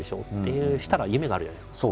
そしたら夢があるじゃないですか。